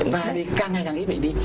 và thì càng ngày càng ít bệnh đi